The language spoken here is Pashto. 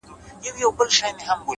زحمت د موخو د رسېدو وسیله ده’